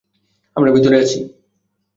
আমরা ভিতরে আছি?